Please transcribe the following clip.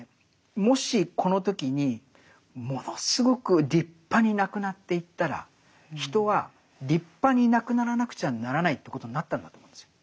もしこの時にものすごく立派に亡くなっていったら人は立派に亡くならなくちゃならないということになったんだと思うんですよ。